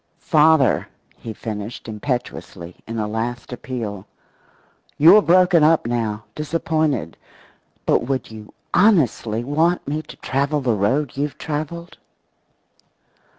Father," he finished, impetuously, in a last appeal, "you're broken up now, disappointed, but would you honestly want me to travel the road you've traveled?"